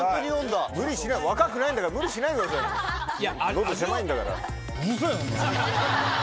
喉狭いんだから。